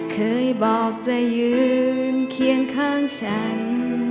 เคยบอกจะยืนเคียงข้างฉัน